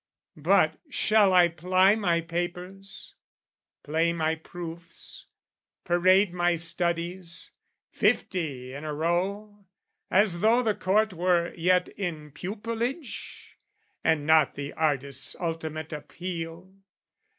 But shall I ply my papers, play my proofs, Parade my studies, fifty in a row, As though the Court were yet in pupilage And not the artist's ultimate appeal?